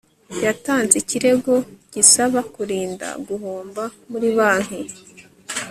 yatanze ikirego gisaba kurinda guhomba muri banki